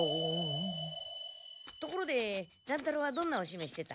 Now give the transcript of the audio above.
ところで乱太郎はどんなおしめしてた？